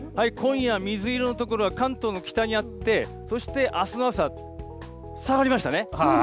今夜、水色の所が関東の北にあって、そしてあすの朝、下がりましたね。